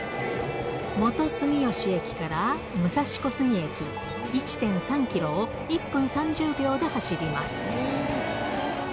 元住吉駅から武蔵小杉駅１．３キロを１分３０秒で走ります。